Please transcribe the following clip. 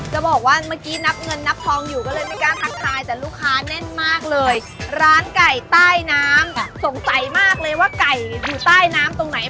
จะบอกว่าเมื่อกี้นับเงินนับทองอยู่ก็เลยไม่กล้าทักทายแต่ลูกค้าแน่นมากเลยร้านไก่ใต้น้ำสงสัยมากเลยว่าไก่อยู่ใต้น้ำตรงไหน